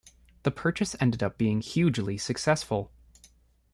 The purchase ended up being hugely successful.